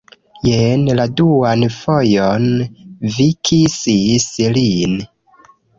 Jen la duan fojon vi kisis lin